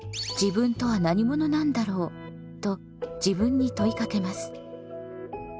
「自分とは何者なんだろう？」と自分に問いかけます。